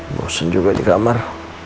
bosan juga ini kamar